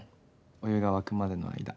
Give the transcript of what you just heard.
お湯が沸くまでの間。